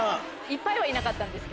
いっぱいはいなかったんです